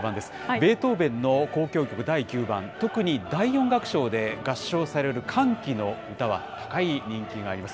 ベートーベンの交響曲第９番、特に第４楽章で合唱される歓喜の歌は、高い人気があります。